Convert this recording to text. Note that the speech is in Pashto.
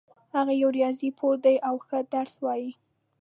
هغه یو ریاضي پوه ده او ښه درس وایي